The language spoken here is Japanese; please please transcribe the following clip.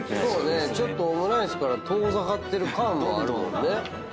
ちょっとオムライスから遠ざかってる感もあるもんね。